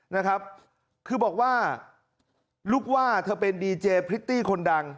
นะครับคือบอกว่าลูกว่าเธอเป็นดีเจพริตตี้คนดัง